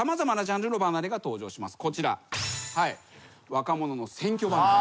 若者の選挙離れ。